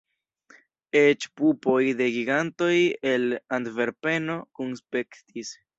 Eĉ pupoj de gigantoj el Antverpeno kunspektis.